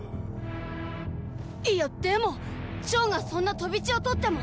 いやでもっ趙がそんな飛び地を取っても！